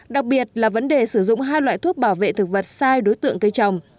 đặc biệt là vấn đề sử dụng hai loại thuốc bảo vệ thực vật sai đối tượng cây trồng